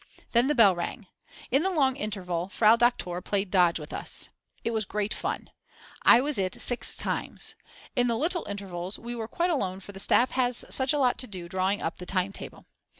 Then the bell rang. In the long interval Frau Doktor played dodge with us. It was great fun. I was it six times. In the little intervals we were quite alone for the staff has such a lot to do drawing up the time table.